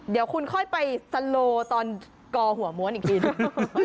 เดี๋ยวคุณค่อยไปสโลตอนกอหัวม้วนอีกทีหนึ่ง